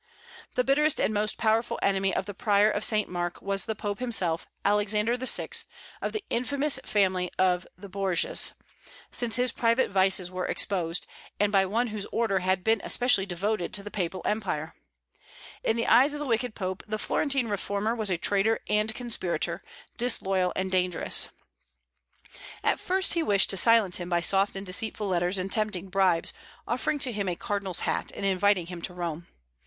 The bitterest and most powerful enemy of the Prior of St. Mark was the Pope himself, Alexander VI., of the infamous family of the Borgias, since his private vices were exposed, and by one whose order had been especially devoted to the papal empire. In the eyes of the wicked Pope, the Florentine reformer was a traitor and conspirator, disloyal and dangerous. At first he wished to silence him by soft and deceitful letters and tempting bribes, offering to him a cardinal's hat, and inviting him to Rome.